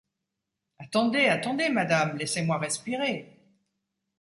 Attendez ! attendez, madame ! laissez-moi respirer !